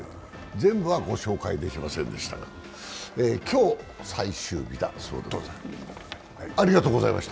全部はご紹介できませんでしたが今日、最終日だということです。